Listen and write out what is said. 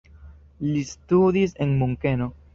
Li studis en Munkeno.